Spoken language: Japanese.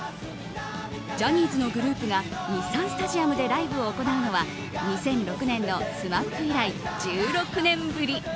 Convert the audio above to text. ジャニーズのグループが日産スタジアムでライブを行うのは２００６年のＳＭＡＰ以来１６年ぶり。